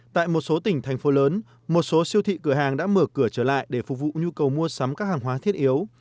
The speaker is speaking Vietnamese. tại một số tỉnh thành phố lớn một số siêu thị cửa hàng đã mở cửa trở lại để phục vụ nhu cầu mua sắm các hàng hóa thiết yếu